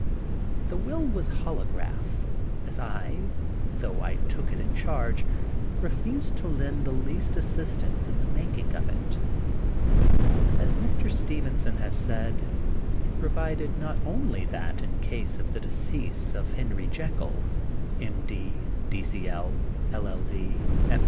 The will was holograph, as I, though I took it in charge, refused to lend the least assistance in the making of it. As Mr. Stevenson has said, it provided not only that in case of the decease of Henry Jekyll, M.D., D.C.L., LL.D., F.R.S.